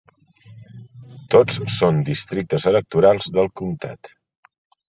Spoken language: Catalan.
Tots són districtes electorals del comtat.